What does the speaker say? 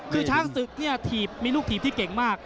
ก็ช้างศึกมีลูกทีบที่เก่งมาก